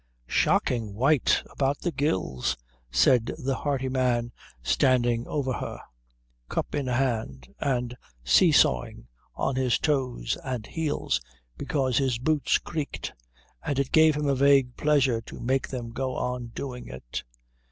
"Shocking white about the gills," said the hearty man standing over her, cup in hand and see sawing on his toes and heels because his boots creaked and it gave him a vague pleasure to make them go on doing it.